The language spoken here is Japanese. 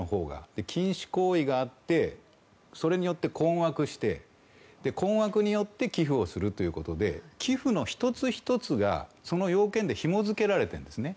禁止行為があってそれによって困惑して困惑によって寄付をするということで寄付の１つ１つが、その要件でひもづけられているんですね。